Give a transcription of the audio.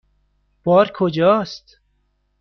بار کجاست؟